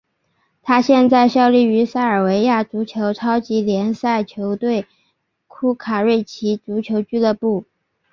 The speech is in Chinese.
他现在效力于塞尔维亚足球超级联赛球队库卡瑞奇足球俱乐部。